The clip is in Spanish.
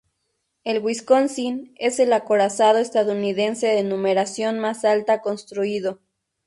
El "Wisconsin" es el acorazado estadounidense de numeración más alta construido.